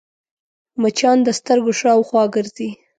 مچان د سترګو شاوخوا ګرځي